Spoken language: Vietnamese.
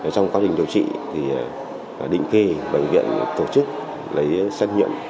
trong quá trình điều trị thì định kê bệnh viện tổ chức lấy xét nghiệm